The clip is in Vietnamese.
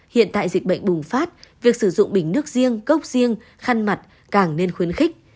hiện tại dịch bệnh bùng phát việc sử dụng bình nước riêng cốc riêng khăn mặt càng nên khuyến khích